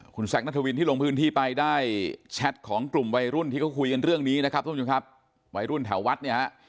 คุณแซคนัทวินที่ลงพื้นที่ไปได้แชทของกลุ่มวัยรุ่นที่เขาคุยกันเรื่องนี้นะครับท่านผู้ชมครับวัยรุ่นแถววัดเนี่ยฮะ